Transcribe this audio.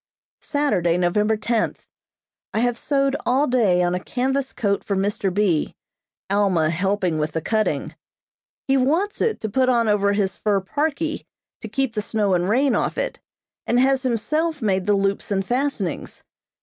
Saturday, November tenth: I have sewed all day on a canvas coat for Mr. B., Alma helping with the cutting. He wants it to put on over his fur parkie to keep the snow and rain off it, and has himself made the loops and fastenings.